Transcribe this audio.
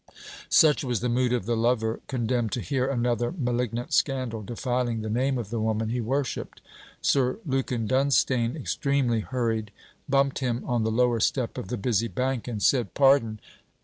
Such was the mood of the lover condemned to hear another malignant scandal defiling the name of the woman he worshipped. Sir Lukin Dunstane, extremely hurried, bumped him on the lower step of the busy Bank, and said: 'Pardon!'